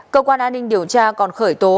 cơ quan an ninh điều tra còn khởi tố